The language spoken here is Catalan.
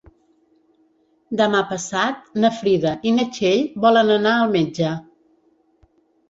Demà passat na Frida i na Txell volen anar al metge.